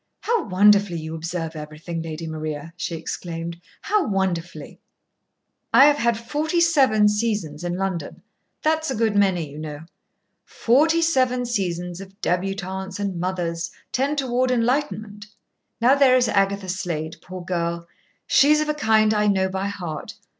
"How wonderfully you observe everything, Lady Maria!" she exclaimed. "How wonderfully!" "I have had forty seven seasons in London. That's a good many, you know. Forty seven seasons of débutantes and mothers tend toward enlightenment. Now there is Agatha Slade, poor girl! She's of a kind I know by heart.